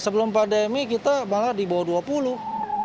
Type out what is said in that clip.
sebelum pandemi kita malah di bawah dua puluh